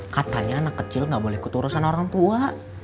katanya anak kecil nggak boleh ikut urusan orang tua